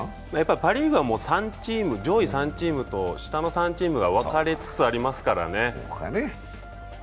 パ・リーグは上位３チームと下の３チームが分かれつつありますからね。